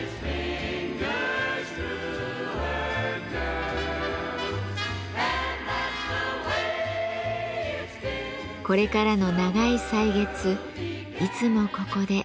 これからの長い歳月いつもここで見守ります。